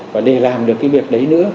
và để làm được cái việc đấy nữa